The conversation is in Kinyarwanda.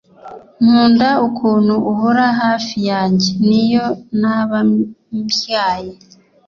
nkunda ukuntu uhora hafi yanjye, niyo naba mbyaye